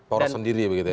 poros sendiri begitu ya